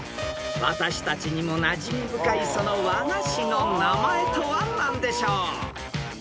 ［私たちにもなじみ深いその和菓子の名前とは何でしょう？］